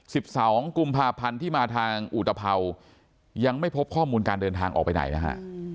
สิบสองกุมภาพันธ์ที่มาทางอุตภัวร์ยังไม่พบข้อมูลการเดินทางออกไปไหนนะฮะ